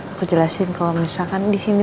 aku jelasin kalau misalkan disini